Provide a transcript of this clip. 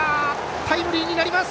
タイムリーになります。